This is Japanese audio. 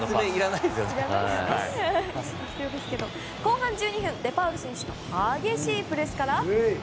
後半１２分デパウル選手の激しいプレスから。